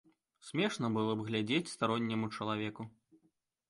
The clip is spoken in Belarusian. Смешна было б глядзець старонняму чалавеку.